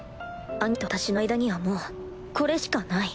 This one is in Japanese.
兄貴と私の間にはもうこれしかない。